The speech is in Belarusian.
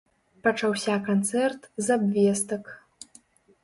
Пачаўся канцэрт з абвестак.